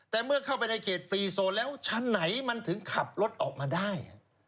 แต่เมื่อเข้าไปในเขตฟรีโซนแล้วชั้นไหนมันถึงขับรถออกมาได้